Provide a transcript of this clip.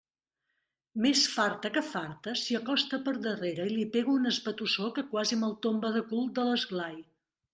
Més farta que farta, s'hi acosta per darrere i li pega un esbatussó que quasi me'l tomba de cul, de l'esglai.